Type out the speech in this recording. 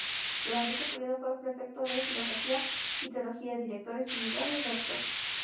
Durante este período fue prefecto de filosofía y teología, director espiritual y rector.